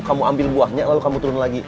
kamu ambil buahnya lalu kamu turun lagi